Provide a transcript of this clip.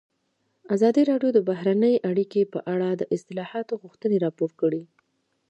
ازادي راډیو د بهرنۍ اړیکې په اړه د اصلاحاتو غوښتنې راپور کړې.